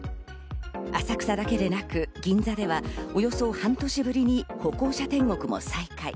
浅草だけでなく銀座ではおよそ半年ぶりに歩行者天国も再開。